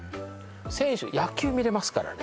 選手野球見れますからね